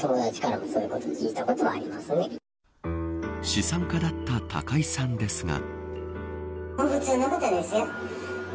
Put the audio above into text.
資産家だった高井さんですが。